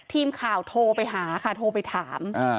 ทีมค่าโทรไปหาโทรไปถาม